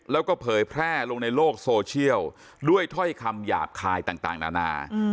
แล้วก็เผยแพร่ลงในโลกโซเชียลด้วยถ้อยคำหยาบคายต่างนานา